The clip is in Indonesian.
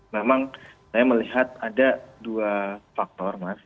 memang saya melihat ada dua faktor mas